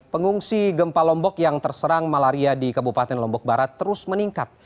pengungsi gempa lombok yang terserang malaria di kabupaten lombok barat terus meningkat